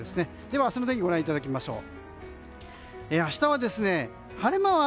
では、明日の天気をご覧いただきましょう。